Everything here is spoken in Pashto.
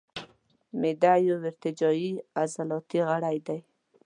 معده یو ارتجاعي عضلاتي غړی دی.